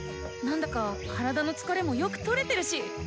何だか体の疲れもよく取れてるし。